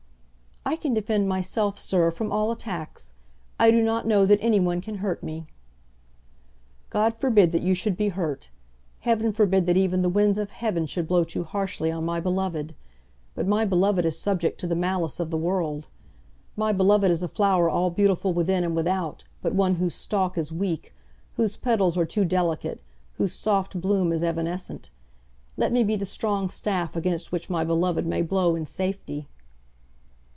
"I can defend myself, sir, from all attacks. I do not know that any one can hurt me." "God forbid that you should be hurt. Heaven forbid that even the winds of heaven should blow too harshly on my beloved. But my beloved is subject to the malice of the world. My beloved is a flower all beautiful within and without, but one whose stalk is weak, whose petals are too delicate, whose soft bloom is evanescent. Let me be the strong staff against which my beloved may blow in safety."